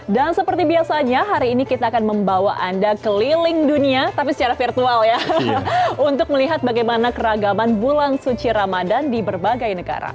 dan seperti biasanya hari ini kita akan membawa anda keliling dunia tapi secara virtual ya untuk melihat bagaimana keragaman bulan suci ramadan di berbagai negara